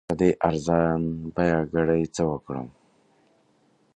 په دې ارزان بیه ګړي څه وکړم؟